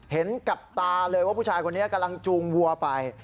เห็นกับตาเลยว่าผู้ชายคนนี้กำลังจูงวัวไป